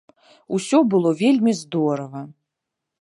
Усё было вельмі здорава.